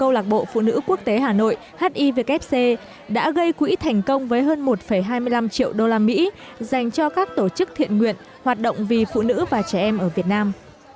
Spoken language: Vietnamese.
câu lạc bộ phụ nữ quốc tế hà nội hivc đã gây quỹ thành công với hơn một hai mươi năm triệu đô la mỹ dành cho các tổ chức thiện nguyện hoạt động vì phụ nữ và trẻ em ở việt nam